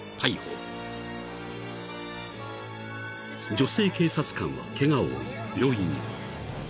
［女性警察官はケガを負い病院へ］